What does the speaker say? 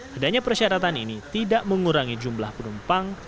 adanya persyaratan ini tidak mengurangi jumlah penumpang